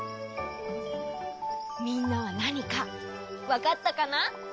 みんなはなにかわかったかな？